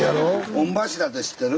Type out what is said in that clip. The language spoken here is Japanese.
御柱って知ってる？